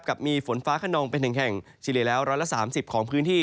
กับมีฝนฟ้าขนองเป็นแห่งชิลิแล้ว๑๓๐ของพื้นที่